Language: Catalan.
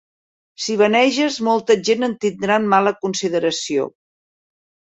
Si vaneges, molta gent et tindrà en mala consideració.